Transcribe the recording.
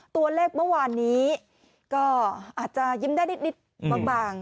ตัวเลขเมื่อวานนี้ก็อาจจะยิ้มได้นิดบาง